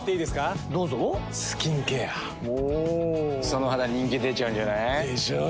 その肌人気出ちゃうんじゃない？でしょう。